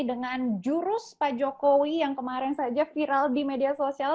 dengan jurus pak jokowi yang kemarin saja viral di media sosial